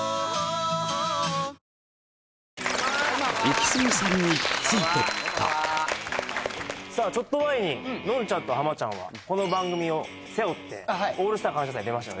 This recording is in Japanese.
イキスギさんにさあちょっと前にノンちゃんとハマちゃんはこの番組を背負って「オールスター感謝祭」に出ましたよね？